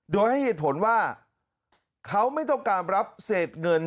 โดยให้เหตุผลว่าเขาไม่ต้องการรับเศษเงิน